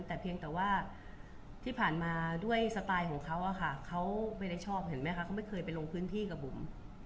แต่เพียงแต่ว่าที่ผ่านมาด้วยสไตล์ของเขาอะค่ะเขาไม่ได้ชอบเห็นไหมคะเขาไม่เคยไปลงพื้นที่กับบุ๋ม